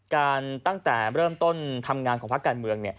ตั้งแต่เริ่มต้นทำงานของภาคการเมือง